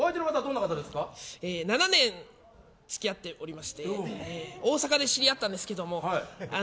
７年付き合っておりまして大阪で知り合ったんですけども。